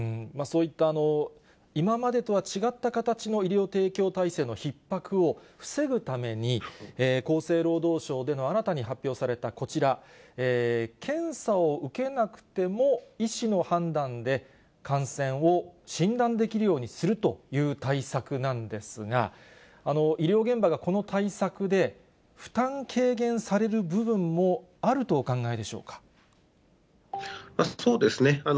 そういった今までとは違った形の医療提供体制のひっ迫を防ぐために、厚生労働省での新たに発表されたこちら、検査を受けなくても、医師の判断で、感染を診断できるようにするという対策なんですが、医療現場がこの対策で負担軽減される部分もあるとお考えでしょうそうですね。